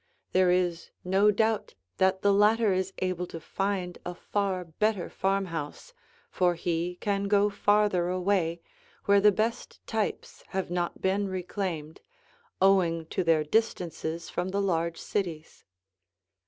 There is no doubt that the latter is able to find a far better farmhouse, for he can go farther away, where the best types have not been reclaimed, owing to their distances from the large cities.